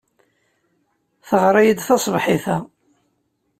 Teɣra-iyi-d taṣebḥit-a.